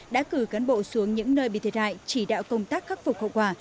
đã cử cán bộ xuống những nơi bị thiệt hại chỉ đạo công tác khắc phục hậu quả